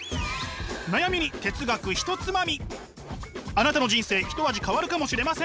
あなたの人生一味変わるかもしれません！